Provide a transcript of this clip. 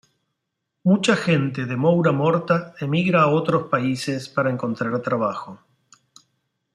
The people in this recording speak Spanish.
Mucha gente de Moura Morta emigra a otros países pare encontrar trabajo.